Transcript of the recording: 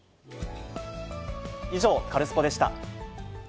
以上、カルスポっ！でした。